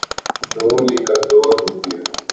ن لیگ کمزور ہوتی ہے۔